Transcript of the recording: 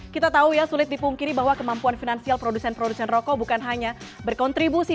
kita tahu ya sulit dipungkiri bahwa kemampuan finansial produsen produsen rokok bukan hanya berkontribusi